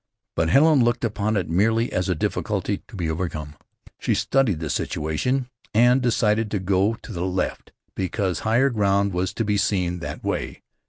But Helen looked upon it merely as a difficulty to be overcome. She studied the situation, and decided to go to the left because higher ground was to be seen that way.